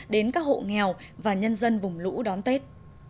đến các hộ nghèo và nhân dân vùng lũ đón tết